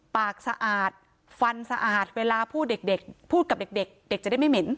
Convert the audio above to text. ปากสะอาดฟันสะอาดเวลาพูดเด็กพูดกับเด็กเด็กจะได้ไม่เหม็น